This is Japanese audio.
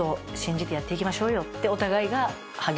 お互いが。